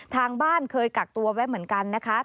ทางบ้านเคยกักตัวไว้เหมือนกันนะคะ